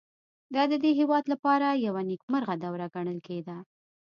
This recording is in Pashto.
دا د دې هېواد لپاره یوه نېکمرغه دوره ګڼل کېده